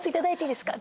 いいですか？